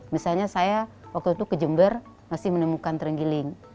misalnya saya waktu itu ke jember masih menemukan terenggiling